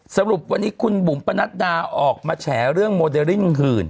สรุปวันนี้คุณบุ๋มปนัดดาออกมาแฉเรื่องโมเดลลิ่งหื่น